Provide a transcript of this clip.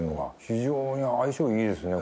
非常に相性いいですね